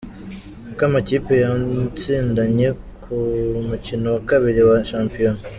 Uko amakipe yatsindanye ku mukino wa kabiri wa Shampiyona.